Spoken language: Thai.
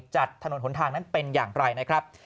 จัดถนนหนทางนั้นเป็นอย่างไรนะครับ